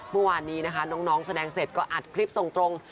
เมื่อวานนี้นะคะน้องแสดงเสร็จก็อัดคลิปส่งตรง